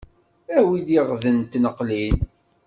Awi-d iɣden n tneqlin.